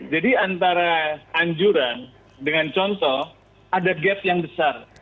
jadi antara anjuran dengan contoh ada gap yang besar